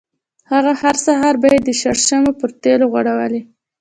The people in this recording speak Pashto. هغه هر سهار به یې د شرشمو په تېلو غوړولې.